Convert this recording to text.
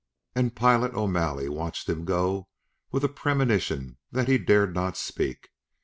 And Pilot O'Malley watched him go with a premonition that he dared not speak.